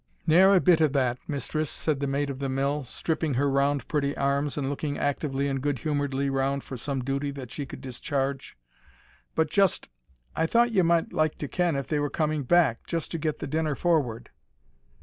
"Ne'er a bit of that, mistress," said the Maid of the Mill, stripping her round pretty arms, and looking actively and good humouredly round for some duty that she could discharge, "but just I thought ye might like to ken if they were coming back, just to get the dinner forward."